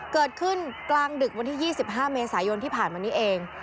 เกิดขึ้นกลางดึกวันที่๒๕เมษายนที่ผ่านมานี้เอง